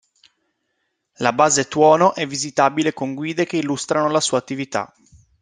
La base Tuono è visitabile con guide che illustrano la sua attività.